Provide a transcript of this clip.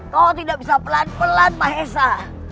kau tidak bisa pelan pelan mahesa